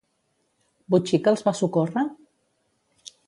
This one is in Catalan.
Botxica els va socórrer?